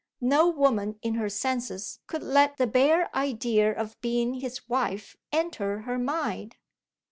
No woman in her senses could let the bare idea of being his wife enter her mind.